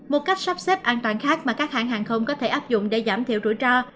một cách sắp xếp an toàn khác mà các hãng hàng không có thể áp dụng để giảm thiểu rủi ro